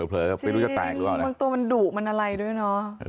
เผลอไม่รู้จะตายอย่างนึงหรอกนะจริงบางตัวมันดุมันอะไรด้วยเนาะ